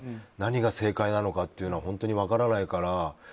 何が正解なのかというのは本当に分からないから。